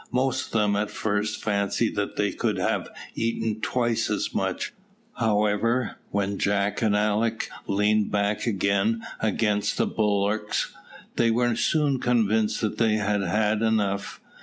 Most of them at first fancied that they could have eaten twice as much; however, when Jack and Alick leaned back again against the bulkheads, they were soon convinced that they had had enough.